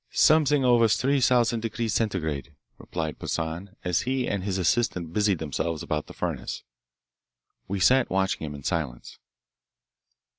"Something over three thousand degrees Centigrade," replied Poissan, as he and his assistant busied themselves about the furnace. We sat watching him in silence.